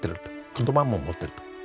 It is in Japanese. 言葉も持ってると。